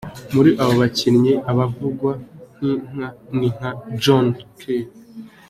Muri abo bakinnyi abavugwa ni nka John C.